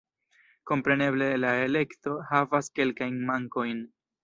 Kompreneble la elekto havas kelkajn mankojn.